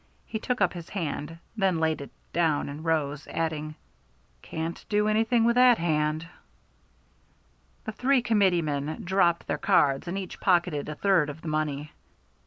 He took up his hand, then laid it down and rose, adding, "Can't do anything with that hand." The three Committeemen dropped their cards and each pocketed a third of the money. Mr.